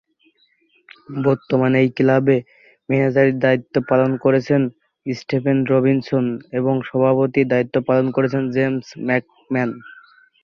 বর্তমানে এই ক্লাবের ম্যানেজারের দায়িত্ব পালন করছেন স্টিফেন রবিনসন এবং সভাপতির দায়িত্ব পালন করছেন জেমস ম্যাকম্যান।